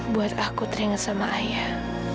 buat aku teringat sama ayah